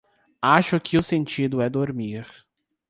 acho que o sentido é dormir.